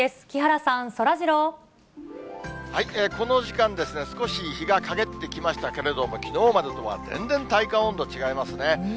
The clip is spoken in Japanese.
木原さん、この時間ですね、少し日がかげってきましたけれども、きのうまでとは全然、体感温度違いますね。